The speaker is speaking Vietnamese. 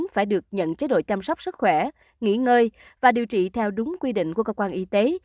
phải được nhận chế độ chăm sóc sức khỏe nghỉ ngơi và điều trị theo đúng quy định của cơ quan y tế